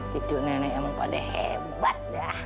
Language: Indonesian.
gitu nenek emang pada hebat dah